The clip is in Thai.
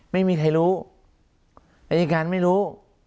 ไม่มีใครรู้อายการไม่รู้